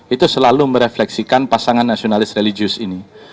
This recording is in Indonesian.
itu selalu merefleksikan pasangan nasionalis religius ini